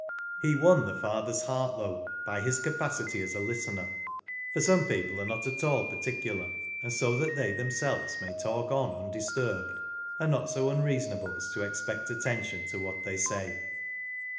He won the father's 1: though, by his capacity as a listener, for some people are not at all particular, and, so that they themselves may talk on iindis turbed, are not so unreasonable as to expect attention to what they say.